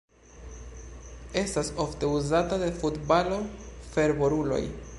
Estas ofte uzata de futbalo-fervoruloj.